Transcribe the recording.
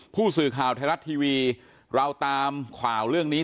ผู้สื่อข่าวไทยรัฐทีวีเราตามข่าวเรื่องนี้